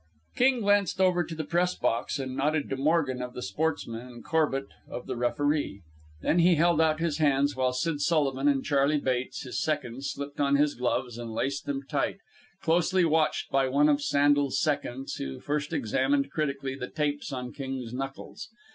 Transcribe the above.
King glanced over to the press box and nodded to Morgan, of the Sportsman, and Corbett, of the Referee. Then he held out his hands, while Sid Sullivan and Charley Bates, his seconds, slipped on his gloves and laced them tight, closely watched by one of Sandel's seconds, who first examined critically the tapes on King's knuckles.